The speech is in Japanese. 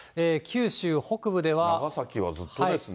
長崎はずっとですね。